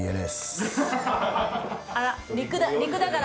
あら。